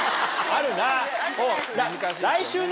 あるな。